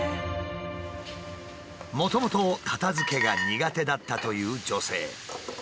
もともと片づけが苦手だったという女性。